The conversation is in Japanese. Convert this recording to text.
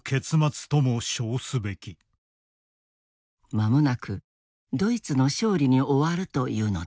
間もなくドイツの勝利に終わるというのである。